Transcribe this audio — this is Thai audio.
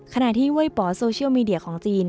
ขณะที่เว้ยป๋อโซเชียลมีเดียของจีน